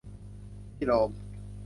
ที่โรม